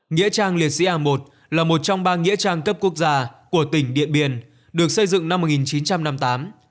nghĩa trang liệt sĩ a một là một trong ba nghĩa trang cấp quốc gia của tỉnh điện biên được xây dựng năm một nghìn chín trăm năm mươi tám